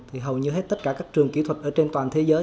thì hầu như hết tất cả các trường kỹ thuật ở trên toàn thế giới